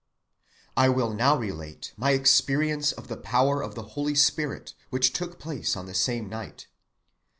"I will now relate my experience of the power of the Holy Spirit which took place on the same night.